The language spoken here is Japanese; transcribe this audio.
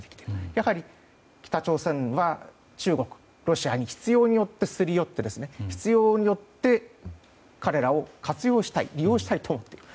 やはり、北朝鮮は中国、ロシアに執拗に寄ってすり寄って執拗に寄って彼らを活用したい利用したいと思っている。